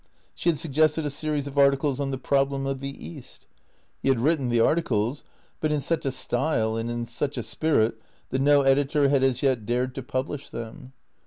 She had suggested a series of articles on the problem of the East. He had written the articles, but in such a style and in such a spirit that no editor had as yet dared to publish them.